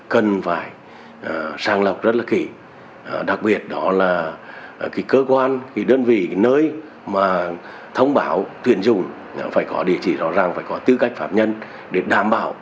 cần phải sang lọc rất là kỹ đặc biệt đó là cái cơ quan cái đơn vị cái nơi mà thông báo tuyển dụng phải có địa chỉ rõ ràng phải có tư cách phạm nhân để đảm bảo